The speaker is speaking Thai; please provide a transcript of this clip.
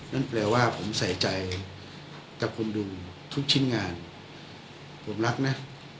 นั่นแปลว่าผมใส่ใจกับคนดูทุกชิ้นงานผมรักนะ